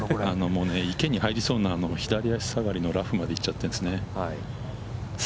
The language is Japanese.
もうね、池に入りそうな左足下がりのラフまで行っちゃってるんですね。